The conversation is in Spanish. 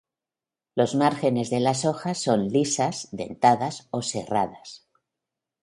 Los márgenes de las hojas son lisas, dentadas o serradas.